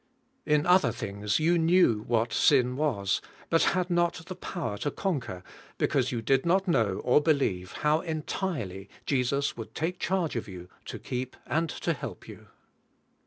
In other things you knew what sin was, but had not the power to conquer, because you did not know or believe how entirely Jesus would take charge of you to keep and to help you.